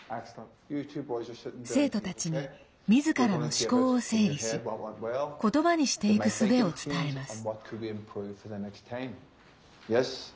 生徒たちにみずからの思考を整理し言葉にしていく、すべを伝えます。